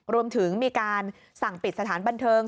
รวมถึงมีการสั่งปิดสถานบันเทิง